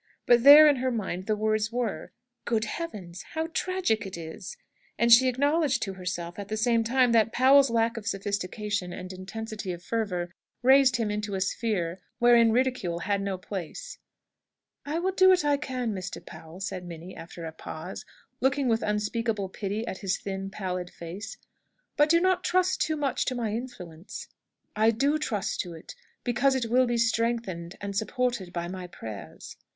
But there in her mind the words were, "Good Heaven; how tragic it is!" And she acknowledged to herself, at the same time, that Powell's lack of sophistication and intensity of fervour raised him into a sphere wherein ridicule had no place. "I will do what I can, Mr. Powell," said Minnie, after a pause, looking with unspeakable pity at his thin, pallid face. "But do not trust too much to my influence." "I do trust to it, because it will be strengthened and supported by my prayers."